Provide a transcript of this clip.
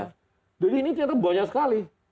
jadi ini ternyata banyak sekali